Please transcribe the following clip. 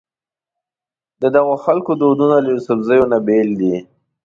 ددغو خلکو دودونه له یوسفزو نه بېل دي.